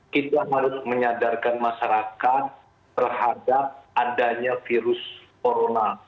kita harus menyadarkan masyarakat terhadap adanya virus corona